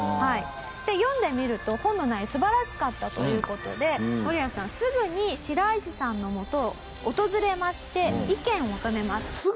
で読んでみると本の内容素晴らしかったという事でムロヤさんすぐに白石さんのもとを訪れまして意見を求めます。